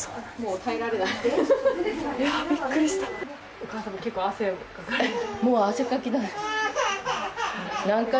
お母さんも結構汗かかれて。